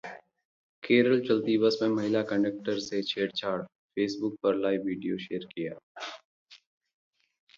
केरल: चलती बस में महिला एक्टिविस्ट से छेड़छाड़, फेसबुक पर लाइव वीडियो शेयर किया